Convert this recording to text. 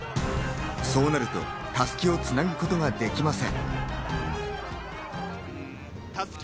そうなると襷をつなぐことができません。